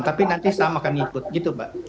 jadi saham akan ikut gitu pak